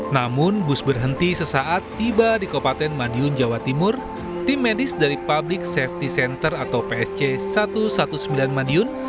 namun bus berhenti sesaat tiba di kabupaten madiun jawa timur tim medis dari public safety center atau psc satu ratus sembilan belas madiun